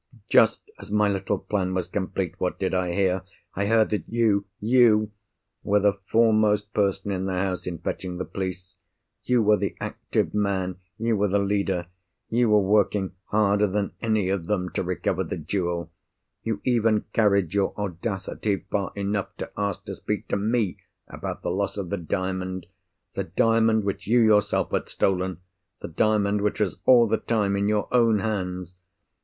Just as my little plan was complete, what did I hear? I heard that you—you!!!—were the foremost person in the house in fetching the police. You were the active man; you were the leader; you were working harder than any of them to recover the jewel! You even carried your audacity far enough to ask to speak to me about the loss of the Diamond—the Diamond which you yourself had stolen; the Diamond which was all the time in your own hands!